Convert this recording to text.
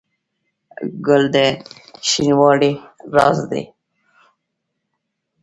ګل د شینوالي راز دی.